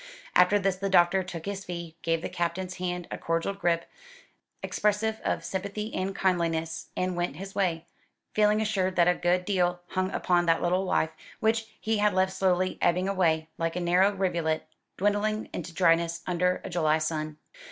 After this the doctor took his fee, gave the Captain's hand a cordial grip, expressive of sympathy and kindliness, and went his way, feeling assured that a good deal hung upon that little life which he had left slowly ebbing away, like a narrow rivulet dwindling into dryness under a July sun.